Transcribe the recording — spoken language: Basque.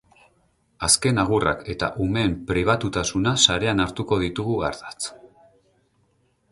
Azken agurrak eta umeen pribatutasuna sarean hartuko ditugu ardatz.